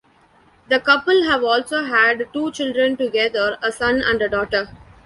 The couple have also had two children together, a son and a daughter.